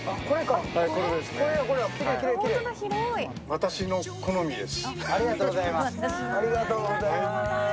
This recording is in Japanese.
私の好みです。